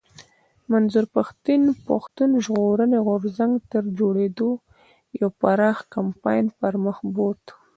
منظور پښتين پښتون ژغورني غورځنګ تر جوړېدو يو پراخ کمپاين پر مخ بوت